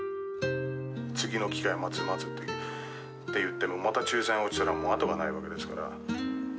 次の機会を待つっていっても、また抽せん落ちたら、後がないわけですから。